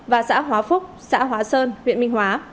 và xã hóa phúc xã hóa sơn huyện minh hóa